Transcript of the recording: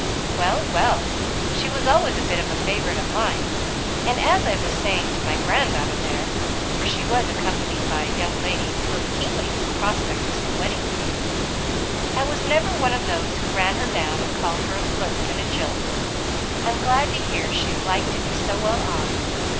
"Well, well! she was always a bit of a favourite of mine; and as I was saying to my grand daughter there" (for she was accompanied by a young lady, who looked keenly to the prospect of some wedding cake), "I was never one of those who ran her down and called her a flirt and a jilt. I'm glad to hear she's like to be so well off.